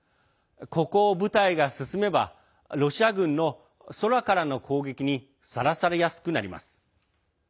ここを部隊が進めばロシア軍の空からの攻撃にさらされやすくなります。